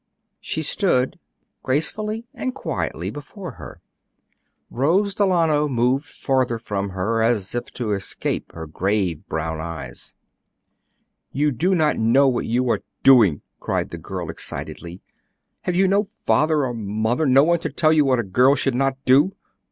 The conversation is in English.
She stood gracefully and quietly before her. Rose Delano moved farther from her, as if to escape her grave brown eyes. "You do not know what you are doing," cried the girl, excitedly; "have you no father or mother, no one to tell you what a girl should not do?"